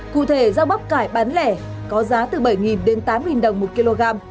cụ thể rau bắp cải bán lẻ có giá từ bảy đến tám đồng một kg